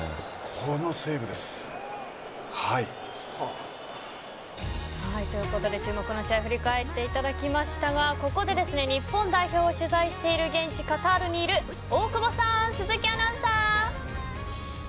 このセーブです。ということで注目の試合振り返っていただきましたがここで日本代表を取材している現地・カタールにいる大久保さん鈴木アナウンサー。